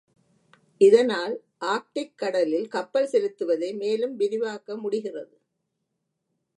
இதனால் ஆர்க்டிக் கடலில் கப்பல் செலுத்துவதை மேலும் விரிவாக்க முடிகிறது.